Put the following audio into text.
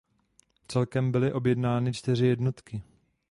Celkem byly objednány čtyři jednotky.